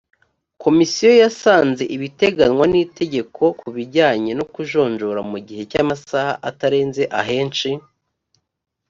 komisiyo yasanze ibiteganywa n itegeko ku bijyanye no kujonjora mu gihe cy amasaha atarenze ahenshi